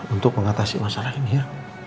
untuk mengatasi masalah ini ya